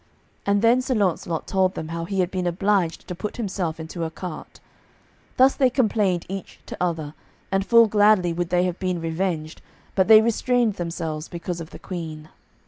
And then Sir Launcelot told them how he had been obliged to put himself into a cart. Thus they complained each to other, and full gladly would they have been revenged, but they restrained themselves because of the Queen.